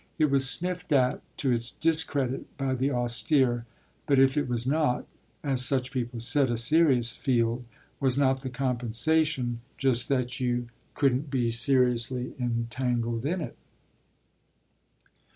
It was sniffed at, to its discredit, by the austere; but if it was not, as such people said, a serious field, was not the compensation just that you couldn't be seriously entangled in it?